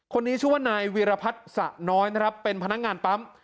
คนนี้ชื่อว่านายวีรพัฒน์สะน้อยนะครับเป็นพนักงานปั๊ม